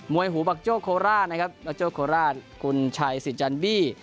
มวยหูบักโจโคราตบักโจโคราตคุณชัยสิจันบี